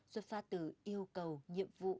rốt phá từ yêu cầu nhiệm vụ